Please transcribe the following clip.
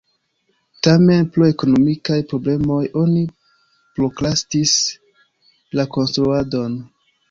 Tamen pro ekonomikaj problemoj oni prokrastis la konstruadon.